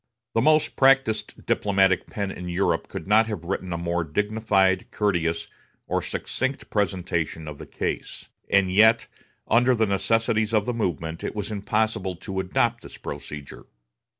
The most practised diplomatic pen in Europe could not have written a more dignified, courteous, or succinct presentation of the case; and yet, under the necessities of the moment, it was impossible to adopt this procedure.